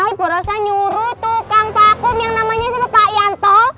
ibu rosa nyuruh tukang vakum yang namanya si bapak yanto